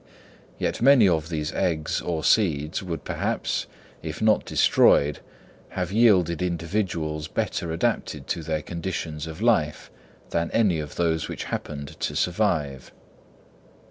Yet many of these eggs or seeds would perhaps, if not destroyed, have yielded individuals better adapted to their conditions of life than any of those which happened to survive.